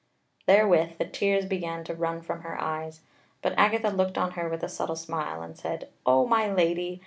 Therewith the tears began to run from her eyes; but Agatha looked on her with a subtle smile and said: "O my Lady!